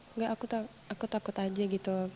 enggak aku takut aja gitu